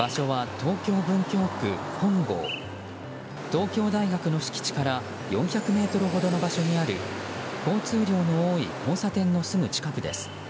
東京大学の敷地から４００ｍほどの場所にある交通量の多い交差点のすぐ近くです。